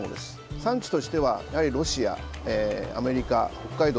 産地としては、やはりロシア、アメリカ、北海道